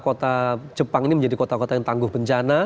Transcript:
kota jepang ini menjadi kota kota yang tangguh bencana